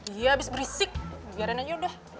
iya abis berisik biarin aja udah